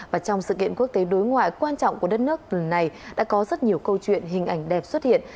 và trong sự kiện quốc tế đối ngoại quan trọng của đất nước lần này đã có rất nhiều câu chuyện hình ảnh đẹp xuất hiện